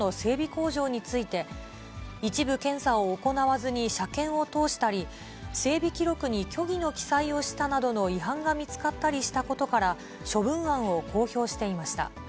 工場について、一部検査を行わずに車検を通したり、整備記録に虚偽の記載をしたなどの違反が見つかったりしたことから、処分案を公表していました。